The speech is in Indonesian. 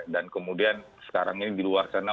dan kemudian sekarang ini di luar sana